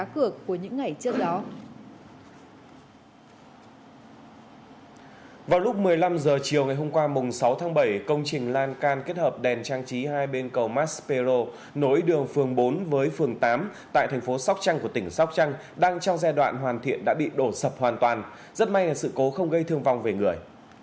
công trình lan can kết hợp đèn trang trí hai bên cầu maspero nối đường phường bốn với phường tám tại thành phố sóc trăng của tỉnh sóc trăng đang trong giai đoạn hoàn thiện đã bị đổ sập hoàn toàn rất may là sự cố không gây thương vong về người